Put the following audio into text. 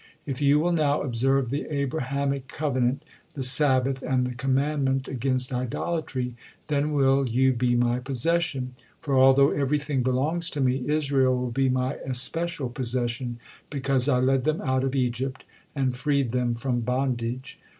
If you will now observe the Abrahamic covenant, the Sabbath, and the commandment against idolatry, then will you be My possession; for although everything belongs to Me, Israel will be My especial possession, because I led them out of Egypt, and freed them from bondage.